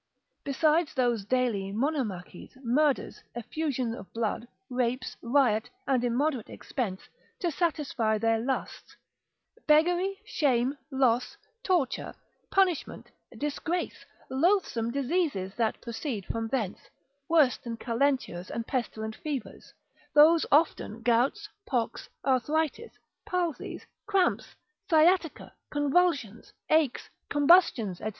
Besides those daily monomachies, murders, effusion of blood, rapes, riot, and immoderate expense, to satisfy their lusts, beggary, shame, loss, torture, punishment, disgrace, loathsome diseases that proceed from thence, worse than calentures and pestilent fevers, those often gouts, pox, arthritis, palsies, cramps, sciatica, convulsions, aches, combustions, &c.